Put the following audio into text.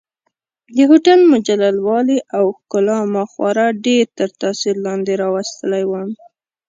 د هوټل مجلل والي او ښکلا ما خورا ډېر تر تاثیر لاندې راوستلی وم.